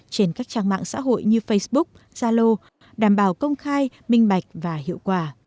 trên các trang mạng xã hội như facebook zalo đảm bảo công khai minh bạch và hiệu quả